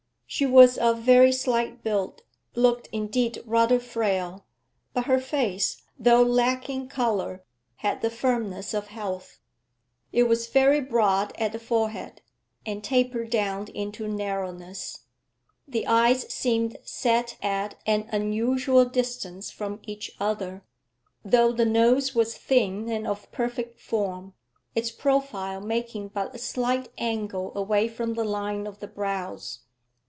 She was of very slight build, looked indeed rather frail; but her face, though lacking colour, had the firmness of health. It was very broad at the forehead, and tapered down into narrowness; the eyes seemed set at an unusual distance from each other, though the nose was thin and of perfect form, its profile making but a slight angle away from the line of the brows.